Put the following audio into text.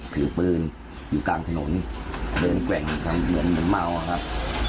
ถือปืนอยู่กลางถนนเดินแกว่งทำเหมือนเหมือนเมาอะครับ